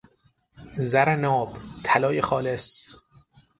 زر ناب، طلای خالص